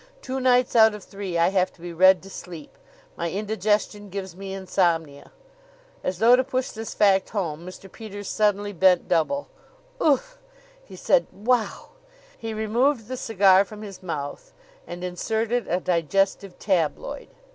Two nights out of three I have to be read to sleep. My indigestion gives me insomnia." As though to push this fact home, Mr. Peters suddenly bent double. "Oof!" he said. "Wow!" He removed the cigar from his mouth and inserted a digestive tabloid.